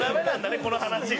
この話が。